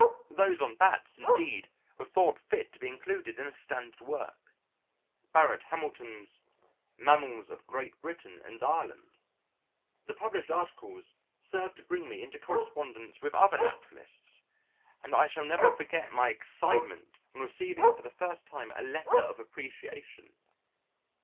Those on Bats indeed were thought fit to be included in a standard work Barrett Hamilton's Mammals of Great Britain and Ireland. The published articles served to bring me into correspondence with other naturalists, and I shall never forget my excitement on receiving for the first time a letter of appreciation.